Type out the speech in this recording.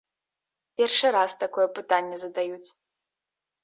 Першы раз такое пытанне задаюць.